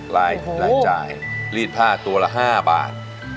รายจ่ายรีดผ้าตัวละ๕บาท